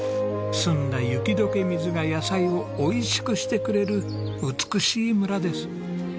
澄んだ雪解け水が野菜を美味しくしてくれる美しい村です。